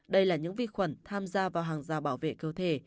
đây là những vi khuẩn tham gia vào hàng rào bảo vệ cơ thể